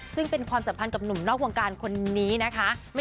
ซึ่งเป็นความสัมพันธ์กับหนุ่มนอกวงการคนนี้นะคะ